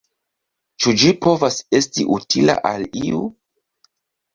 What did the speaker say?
Ĉu ĝi povas esti utila al iu?